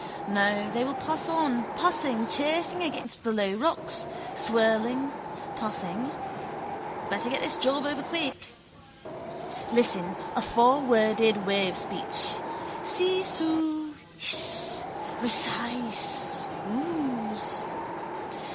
No, they will pass on, passing, chafing against the low rocks, swirling, passing. Better get this job over quick. Listen: a fourworded wavespeech: seesoo, hrss, rsseeiss, ooos.